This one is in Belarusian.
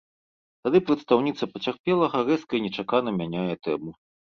Тады прадстаўніца пацярпелага рэзка і нечакана мяняе тэму.